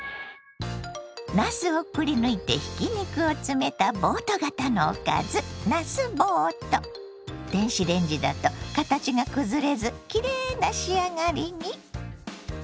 なすをくりぬいてひき肉を詰めたボート型のおかず電子レンジだと形が崩れずきれいな仕上がりに。